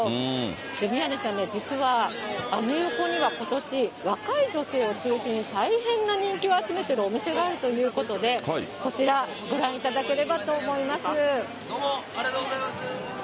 宮根さんね、実は、アメ横にはことし、若い女性を中心に大変な人気を集めてるお店があるということで、こちら、ご覧いただければと思います。